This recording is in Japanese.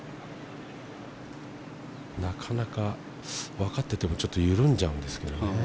なかなかわかってても緩んじゃうんですけどね。